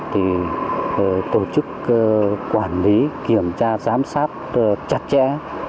thì tổ chức quản lý kiểm tra giám sát chặt chẽ